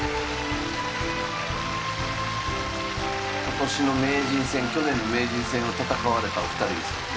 今年の名人戦去年の名人戦を戦われた２人ですもんね。